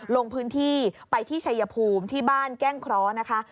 ลงพื้นที่ไปที่ชัยภูมิที่บ้านแก้งเคราะห์นะคะ